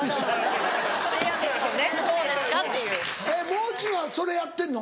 もう中はそれやってんの？